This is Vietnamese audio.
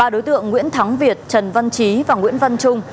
ba đối tượng nguyễn thắng việt trần văn trí và nguyễn văn trung